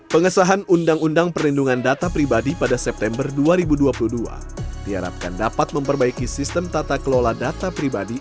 pengesahan undang undang perlindungan data pribadi pada september dua ribu dua puluh dua diharapkan dapat memperbaiki sistem tata kelola data pribadi